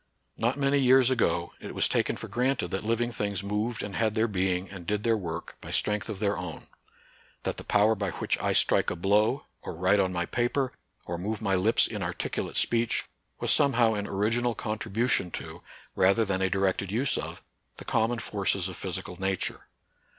Not many years ago, it was taken for granted that living things moved and had their being, and did their work, by strength of their own ; that the power by which I strike a blow, or write on my paper, or move my lips in articu late speech, was somehow an original contribu tion to, rather than a directed use of, the common forces of physical nature.